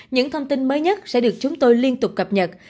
những thông tin mới nhất sẽ được chúng tôi liên tục cập nhật